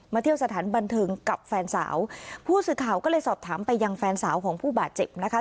เที่ยวสถานบันเทิงกับแฟนสาวผู้สื่อข่าวก็เลยสอบถามไปยังแฟนสาวของผู้บาดเจ็บนะคะ